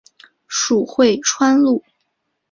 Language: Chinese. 属会川路。